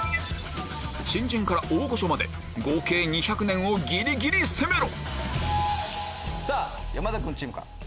新人から大御所まで合計２００年をギリギリ攻めろ山田君チームから。